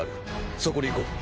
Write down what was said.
そこに行こう。